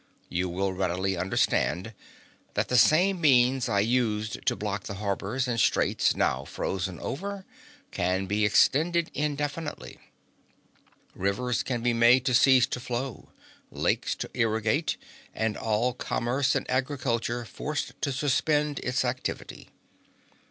You will readily understand that the same means I used to block the harbors and straits now frozen over can be extended indefinitely. Rivers can be made to cease to flow, lakes to irrigate, and all commerce and agriculture forced to suspend its activity.